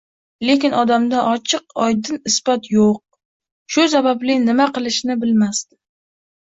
Lekin odamda ochiq-oydin isbot yoʻq, shu sababli nima qilishini bilmasdi